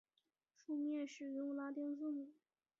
书面使用拉丁字母。